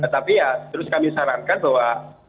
tapi ya terus kami sarankan bahwa